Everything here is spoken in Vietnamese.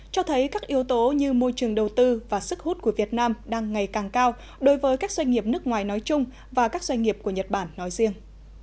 cho thấy các yếu tố như môi trường đầu tư và sức hút của việt nam đang ngày càng cao đối với các doanh nghiệp nước ngoài nói chung và các doanh nghiệp của nhật bản nói riêng